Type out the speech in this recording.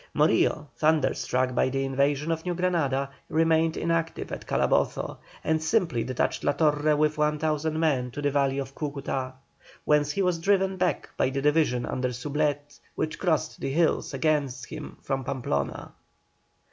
Morillo, thunderstruck by the invasion of New Granada, remained inactive at Calabozo, and simply detached La Torre with 1,000 men to the valley of Cúcuta, whence he was driven back by the division under Soublette, which crossed the hills against him from Pamplona.